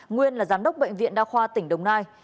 nguyên là giám đốc bệnh viện đa khoa tỉnh đồng nai